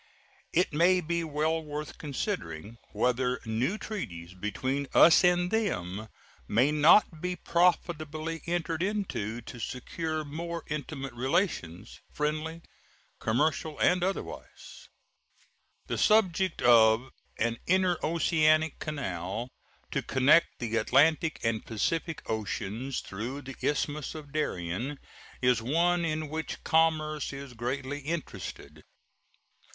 It may be well worth considering whether new treaties between us and them may not be profitably entered into, to secure more intimate relations friendly, commercial, and otherwise. The subject of an interoceanic canal to connect the Atlantic and Pacific oceans through the Isthmus of Darien is one in which commerce is greatly interested.